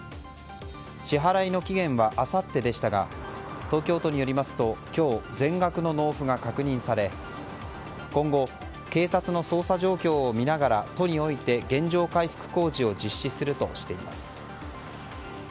支払いの期限はあさってでしたが東京都によりますと今日、全額の納付が確認され今後、警察の捜査状況を見ながら都において現状回復工事を実施するとしています。